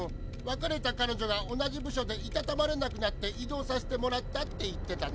「別れた彼女が同じ部署でいたたまれなくなって異動させてもらった」って。